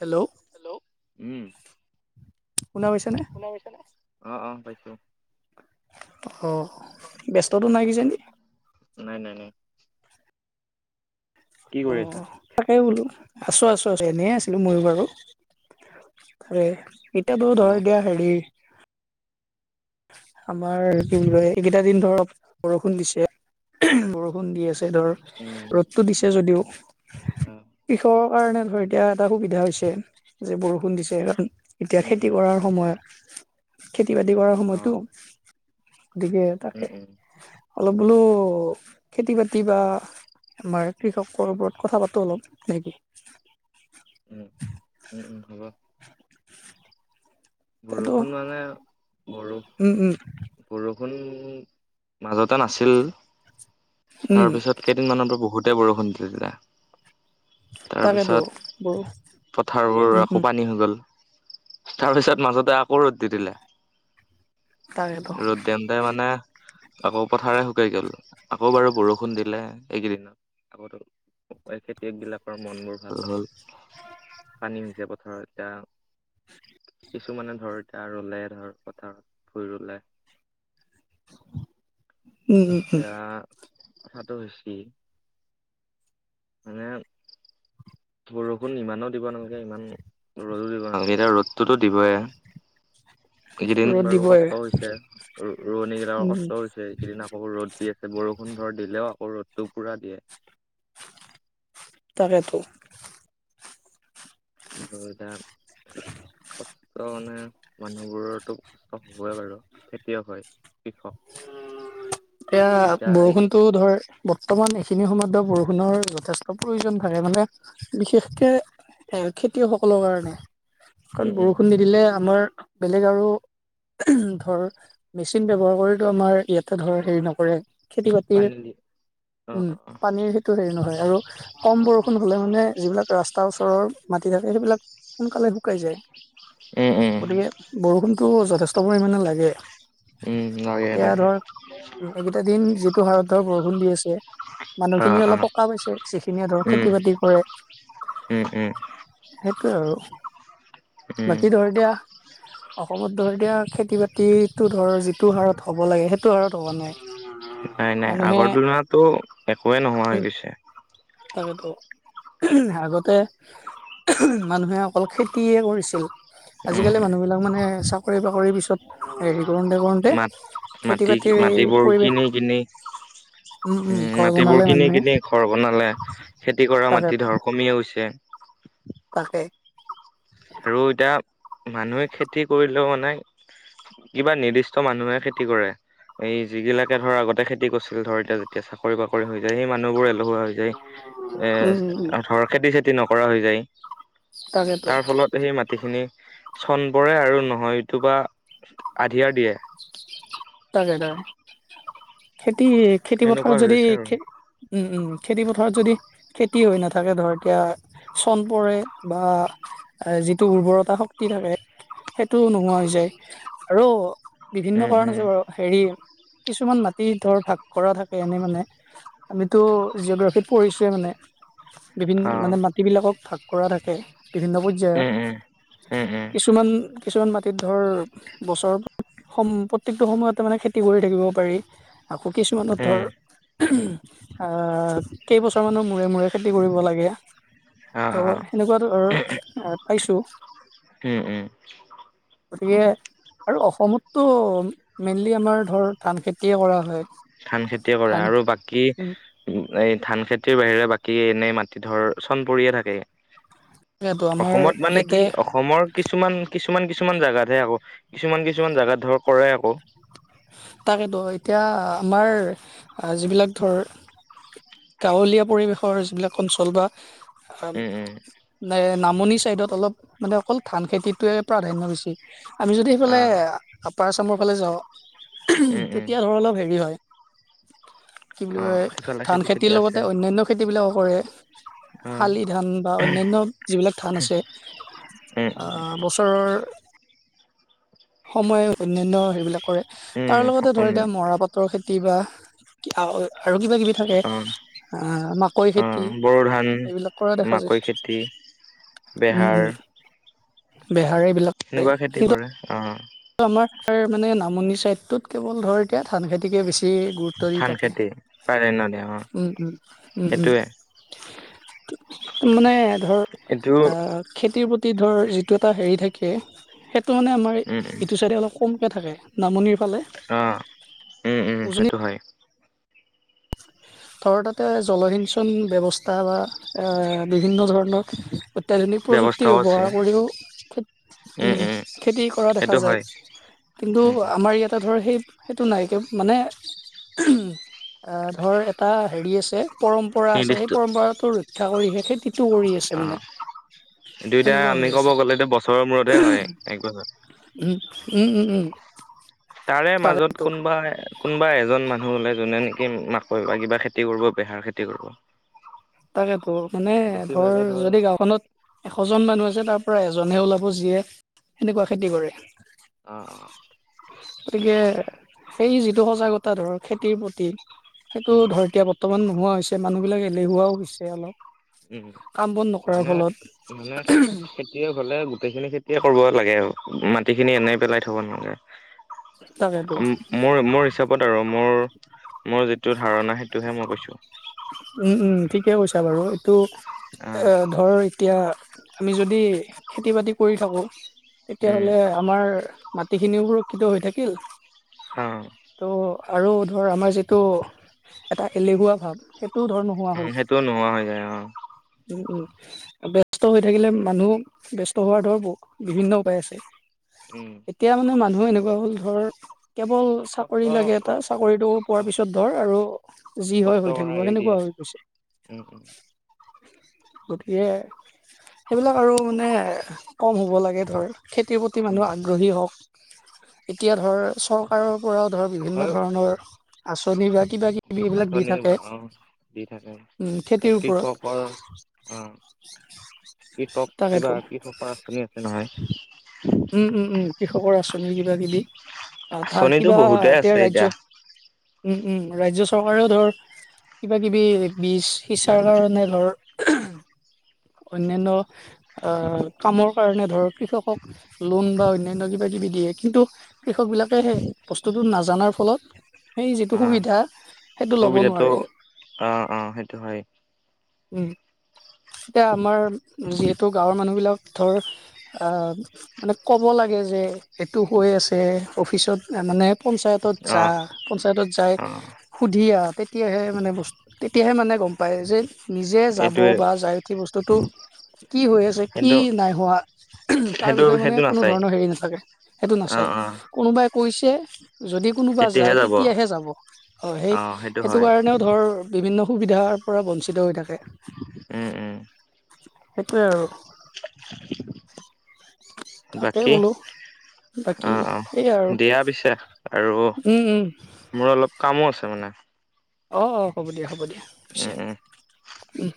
Hello hello উম শুনা পাইছা নে? [unintelligible] [unintelligible] অঁ-অঁ, পাইছোঁ। অঁ! ব্যস্তটো নাই কি জানি? [unintelligible] নাই-নাই-নাই। [unintelligible] কি কৰি আছা? [unintelligible] তাকেই বোলো, আছো-আছো-আছো এনেই আছিলো ময়ো বাৰু। [unintelligible] এতিয়া বাৰু অ ধৰ দিয়া হেৰি [unintelligible] আমাৰ কি বুলি কয় এইকেইটা দিন ধৰক বৰষুণ দিছে। [unintelligible] [unintelligible] বৰষুণ দি আছে ধৰক উম [unintelligible] [unintelligible] দিছে যদিও অ কৃষক কাৰণে ধৰ এতিয়া এটা সুবিধা হৈছে যে বৰষুণ দিছে কাৰণ এতিয়া উম খেতি উম কৰাৰ [unintelligible] সময়ত খেতি-বাতি কৰ [unintelligible] অ [unintelligible] গতিকে তাকে। উম উম অলপ বোলো খেতি-বাতি বা [unintelligible] আমাৰ কৃষকসকলৰ ওপৰত কথা পাতো অলপ নেকি? [unintelligible] উম-উম-উম, হ'ব। [unintelligible] তাতো বৰষুণ মানে বৰষ উম উম [unintelligible] বৰষুণ মাজতে নাছিল উম তাৰপিছত [inaudible] কেইদিনমানৰ পৰা বহুতে বৰষুণ দিছিলে। [unintelligible] তাকেতো বৰ তাৰপিছত পথাৰবোৰ উম আকৌ উম পানী হৈ গ'ল। [unintelligible] তাৰপিছত মাজতে আকৌ ৰ'দ দি দিলে। তাকেতো [unintelligible] ৰ'দ দিওঁতে মানে [unintelligible] আকৌ পথাৰে শুকাই গ'ল। আকৌ বাৰু বৰষুণ দিলে এইকেইদিনত। [unintelligible] খেতিয়কবিলাকৰ মনবোৰ ভাল হ'ল। [unintelligible] পানী হৈছে পথাৰত এতিয়া। [unintelligible] কিছুমানে ধৰ এতিয়া ৰুলে, ধৰ পথাৰত ভুঁই ৰুলে। [unintelligible] [unintelligible] উম উম উম এতিয়া পথাৰটো বেছি। মানে [unintelligible] বৰষুণ ইমানো দিব নালাগে, ইমান ৰ'দো দিব নালাগে, এতিয়া ৰ'দটোতো দিবই। [unintelligible] এইকেইদিন ৰ'দ বাৰু দিবই কষ্ট হৈছে। ৰোৱনীবিলাকৰ উম কষ্ট হৈছে। [unintelligible] সেইদিনা আকৌ ৰ'দ দি আছে বৰষুণ ধৰ দিলেও আকৌ ৰদটো পুৰা দিয়ে। [unintelligible] তাকেটো [unintelligible] [unintelligible] কষ্ট মানে [unintelligible] মানুহবোৰৰটো কষ্ট হ'বই বাৰু খেতিয়ক হয়। [unintelligible] [unintelligible] এতিয়া বৰষুণটো ধৰ বৰ্তমান এইখিনি সময়তটো বৰষুণৰ যথেষ্ট প্ৰয়োজন থাকে মানে বিশেষকে [unintelligible] খেতিয়কসকলৰ কাৰণে। কাৰণ উম উম বৰষুণ নিদিলে আমাৰ [unintelligible] বেলেগ আৰু [unintelligible] ধৰ মেচিন ব্যৱহাৰ কৰি [unintelligible] টো আমাৰ ইয়াতে ধৰ হেৰি নকৰে, খেতি-বাতিৰ পানী দি অ উম! অ পানীৰ সেইটো হেৰি নহয় আৰু [unintelligible] কম বৰষুণ হ'লে মানে যিবিলাক ৰাস্তাৰ ওচৰৰ মাটি থাকে সেইবিলাক [unintelligible] সোনকালে শুকাই যায়। [inaudible] উম-উম। [unintelligible] গতিকে বৰষুণটো যথেষ্ট পৰিমাণে লাগে। [unintelligible] উম নইত। কে এতিয়া লাগে? ধৰ এইকেইটা দিন যিটো সাৰতধৰ বৰষুণ দি আছে। অ মানুহখিনি অ অলপ সকা পাইছে যিখিনিয়ে ধৰ উম, খেতি বাতি কৰে উম, উম, সেইটোৱে আৰু উম, বাকী ধৰ এতিয়া অসমত ধৰ এতিয়া খেতি বাতিটো ধৰ যিটো হাৰত হ'ব লাগে সেইটো হাৰত হ'ব নাই। নাই নাই মানুহে আগৰ তুলনাতো একোৱে নোহোৱা উম হৈ গৈছে। তাকেতো আগতে মানুহে অকল খেতিয়ে কৰিছিল। উম, আজিকালি মানুহবিলাক মানে চাকৰি বাকৰিৰ পিছত হেৰি কৰোতে কৰোতে খেতি মাটি বাতিৰ এই মাটিবোৰ পৰিৱেশ কিনি কিনি উম ঘৰ বনালে মাটিবোৰ কিনি মানুহে কিনি ঘৰ বনালে খেতি কৰা মাটি তাকেতো ধৰ কমিয়ে গৈছে। তাকে। হেৰৌ এতিয়া মানুহে খেতি কৰিলেও মানে কিবা নিৰ্দিষ্ট মানুহে খেতি কৰে। এই যিগিলাকে ধৰ আগতে খেতি কৰিছিল ধৰ এতিয়া যেতিয়া চাকৰি বাকৰি হৈ যায় সেই মানুহ বোৰ এহুৱা হৈ যায়। উম উম উম এ ধৰ খেতি চেতি নকৰা হৈ যায়। তাকেতো তাৰ ফলত সেই মাটিখিনি চন পৰে আৰু নহয় এইটো বা আধিয়াৰ দিয়ে। তাকে তা খেতি খেতি পথাৰত সেনেকুৱা হৈ যদি গৈছে আৰু। খে- উম উম খেতি পথাৰত যদি খেতি হৈ নাথাকে ধৰ এতিয়া চন পৰে বা যিটো উৰ্বৰতা শক্তি থাকে। সেইটো নোহোৱা হৈ যায় আৰু বিভিন্ন উম কাৰণ উম আছে বাৰু। হেৰি কিছুমান মাটি ধৰ ভাগ কৰা থাকে এনে মানে। আমিতো জিঅ'গ্ৰাফীত পঢ়িছোৱে মানে। বিভিন আহ মানে মাটিবিলাকত ভাগ কৰা থাকে বিভিন্ন পয- যে উম উম উম উম কিছুমান কিছুমান মাটিত ধৰ বছৰ সম প্ৰত্যেকটো সময়ত ত মানে খেতি কৰি থাকিব পাৰি। আকৌ কিছুমানত ধৰ উম আহ কেইবছৰ মানৰ মূৰে মূৰে খেতি কৰিব লাগে। অ ত অ সেনেকুৱা ধৰ আ পাইছো। উম উম গতিকে আৰু অসমতটো মেইনলি আমাৰ ধৰ ধান খেতিয়ে কৰা হয়। ধান খেতিয়ে কৰে ধান আৰু বাকী এই ধান খেতিৰ বাহিৰে বাকী এনেই মাটি ধৰ চন পৰিয়ে থাকে। তাকেতো আমাৰ অসমত মানে কি ইয়াতে অস- অসমৰ কিছুমান কিছুমান কিছুমান জাগাতহে আকৌ কিছুমান কিছুমান জাগাত ধৰ কৰে আকৌ। তাকেত এতিয়া আমাৰ যিবিলাক ধৰ গাঁৱলীয়া পৰিৱেশৰ যিবিলাক অঞ্চল বা আম উম উম নে নামনি চাইদত অলপ মানে অকল ধান খেতিটোৱে প্ৰাধান্য বেছি। আমি যদি অ সেইফালে আপাৰ আচামৰ ফালে যাওঁ। উম উম তেতিয়া ধৰ অলপ হেৰি হয়, কি বুলি অ কয় সিফালে ধান খেতি চেতি খেতিৰ আছে লগতে অন্যান্য খেতিবিলাকো কৰে অ শালি ধান বা অন্যান্য যিবিলাক ধান আছে। উম আ বছৰৰ সময় অন্যান্য সেইবিলাকৰে তাৰ উম লগতে ধৰ উম এতিয়া মৰা পাত ত খেতি বা আৰু কিবা কিবি থাকে। অ আহ মাকৈ অ খেতি, বড়ো ধান এইবিলাক কৰা দেখা যায়। বিহাৰ বেহাৰ এইবিলাক এনেকুৱা খেতি কৰে অ ত আমাৰ মানে নামনি চাইডতত কেৱল ধৰ এতিয়া ধান খেতিকে বেছি গুৰুত্ব তৰি ধান থাকে খেতি পাৰে ন দে অ উম উম উম সেইটোৱে উম মানে ধৰ এইটো খেতিৰ প্ৰতি ধৰ যিটো এটা হেৰি থাকে সেইটো মানে আমাৰ উম উম ইটো চাইডে অলপ কমকৈ থাকে নামনিৰ ফালে অ উম উম উজনিত সেইটো হয় ধৰ তাতে জলসিঞ্চন ব্যৱস্থা বা এ বিভিন্ন ধৰণৰ অত্যাধুনিক প্ৰযুক্তি ব্যৱস্থাও আছে ব্যৱহাৰ কৰিও উম খেতি কৰা দেখা সেইটো যায় হয় কিন্তু উম উম আমাৰ ইয়াতে ধৰ সেই সেইটো নাই একে মানে উ আহ ধৰ এ হেৰি আছে পৰম্পৰা আছে সেই নিৰ্দিষ্ট পৰম্পৰাতটো ৰক্ষা কৰিহে সেই সিটো কৰি আছে অ মানে এইটো এতিয়া সেনেকুৱা আমি হৈ ক'ব আছে গ'লেতো বছৰৰ মূৰতহে হয় এক বছৰ উম উম উম উম তাৰে মাজত তাকেতো কোনোবা কোনোবা এজন মানুহ হলে যোনে নেকি মাকৈ বা কিবা খেতি কৰিব বেহাৰ খেতি কৰিব তাকেতো মানে ধৰ যদি গাঁওখনত এশজন মানুহ আছে তাৰ পৰা এজনহে ওলাব যিয়ে সেনেকুৱা খেতি কৰে অ অ গতিকে সেই যিটো সজাগতা ধৰ খেতিৰ প্ৰতি সেইটো উম ধৰ এতিয়া বৰ্তমান নোহোৱা হৈছে মানুহ বিলাক এলেহুৱাও হৈছে উম অলপ কাম বন নকৰাৰ ফলত খেতি হলে গোটেইখিনি খেতিয়ে কৰিব লাগে আৰু মাটি খিনি এনেই পেলাই থব নালাগে তাকেতো মোৰ মোৰ হিচাপত আৰু মোৰ মোৰ যিটো ধাৰণা সেইটোহে মই কৈছোঁ উম উম ঠিকে কৈছা বাৰু এইটো আহ এ ধৰ এতিয়া আমি যদি খেতি বাতি কৰি থাকো উম তেতিয়াহ'লে আমাৰ মাটিখিনিও সুৰক্ষিত হৈ থাকিল অ ত' আৰু ধৰ আমাৰ যিটো এটা এলেহুৱা ভাৱ সেইটোও ধৰ নোহোৱা হ'ল টো নোহোৱা হৈ যায় অ উম উম ব্যস্ত হৈ থাকিলে মানুহ ব্যস্ত হোৱাৰ ধৰহ বিভিন্ন উপায় আছে উম এতিয়া মানে মানুহ এনেকুৱা হ'ল ধৰ কেৱল কষ্ট চাকৰি লাগে এটা চাকৰিটো কষ্ট অ পোৱাৰ পিছত ধৰ আৰু যি কষ্ট হয় হৈ কৰা থাকিব এৰি দিয়ে সেনেকুৱা হৈ গৈছে উম উম গতিকে সেইবিলাক আৰু মানে কম হ'ব লাগে ধৰ খেতিৰ প্ৰতি উম মানুহ আগ্ৰহী হওক এতিয়া ধৰ চৰকাৰৰ পৰাও ধৰ বিভিন্ন হয় ধৰণৰ আচনি বা কিবা কিবি এইবিলাক দি আঁচনি থাকে বা অ দি থাকে উম যে খেতিৰ ওপৰত কৃষকৰ অ কৃষক কিবা তাকেতো কৃষকৰ আঁচনি আছে নহয় উম উম উম কৃষকৰ আঁচনি কিবা কিবি আঁচনিতো কিবা বহুতে আছে তেওঁৰ এতিয়া ৰাজ্য উম উম ৰাজ্য চৰকাৰেও ধৰ কিবা-কিবি বীজ সিঁচাৰ কাৰণে ধৰ অন্যান্য অ' কামৰ কাৰণে ধৰ কৃষকক লোন বা অন্যান্য কিবা-কিবি কিবি দিয়ে কিন্তু কৃষক বিলাকে সেই বস্তুটো নাজানাৰ ফলত সেই যিটো অ সুবিধা সেইটো ল'ব সুবিধাটো নোৱাৰে। অ অ সেইটো হয় উম' এতিয়া আমাৰ যিহেতু গাঁৱৰ মানুহবিলাক ধৰ, আহ ক'ব লাগে যে এইটো হৈ আছে, অফিচত মানে পঞ্চায়তত অ যা, পঞ্চায়তত যাই অ সুধি আহ, তেতিয়াহে মানে বস্তু তেতিয়াহে মানে গম পায় যে নিজে যাব এইটোৱে বা যায়, উঠি বস্তুটো কি হৈ আছে, কি সেইটো নাই হোৱা। তাৰ সেইটো বিষয়ে মানে সেইটো কোনো নাচাই ধৰণৰ হেৰি নাথাকে, সেইটো অ নাচায়। অ কোনোবাই কৈছে যদি কোনোবা যায়, তেতিয়াহে যাব, অ' সেইটো সেই-সেইটো হয় কাৰণেও ধৰ বিভিন্ন সুবিধাৰ পৰা বঞ্চিত হৈ থাকে। উম, উম। সেইটোৱে আৰু তাকেই বাকী বোলো অ বাকী অ সেইয়া আৰু, দিয়া পিছে আৰু উম উম। মোৰ অলপ কামো আছে মানে। অঁ অঁ, হ'ব দিয়া, হ'ব দিয়া উম পিছে। উম উম,